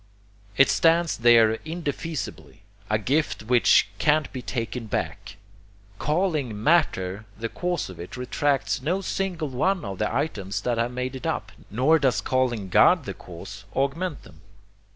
It stands there indefeasibly: a gift which can't be taken back. Calling matter the cause of it retracts no single one of the items that have made it up, nor does calling God the cause augment them.